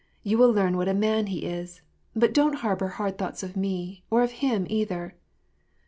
You will learn what a man he is ! But don't harbor hard thoughts of me, or of him either."